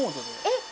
えっ！